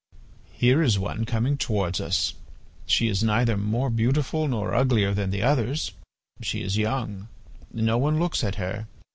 "Here is one coming towards us. She is neither more beautiful nor uglier than the others; she is young. No one looks at her.